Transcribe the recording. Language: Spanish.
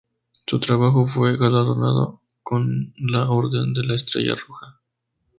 Su trabajo fue galardonado con la Orden de la Estrella Roja.